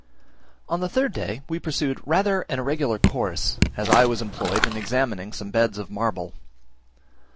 On the third day we pursued rather an irregular course, as I was employed in examining some beds of marble.